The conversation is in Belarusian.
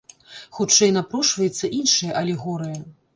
Хутчэй напрошваецца іншая алегорыя.